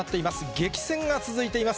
激戦が続いています。